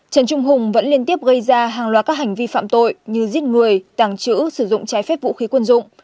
trần trung hùng vẫn liên tiếp gây ra hàng loạt các hành vi phạm tội như giết người tàng trữ sử dụng trái phép vũ khí quân dụng